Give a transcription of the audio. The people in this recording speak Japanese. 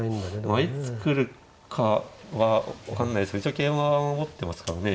まあいつ来るかは分かんないですけど一応桂馬を持ってますからね。